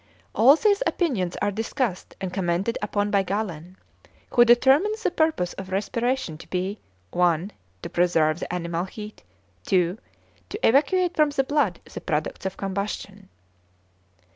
All these opinions are discussed and commented upon by Galen, who determines the purposes of respiration to be (1) to preserve the animal heat; (2) to evacuate from the blood the products of combustion.